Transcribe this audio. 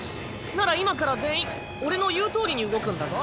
なら今から全員俺の言うとおりに動くんだぞ。